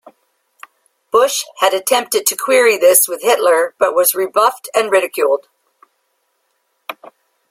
Busch had attempted to query this with Hitler but was rebuffed and ridiculed.